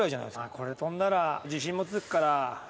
これ跳んだら自信もつくから。